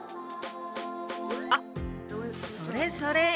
あっそれそれ！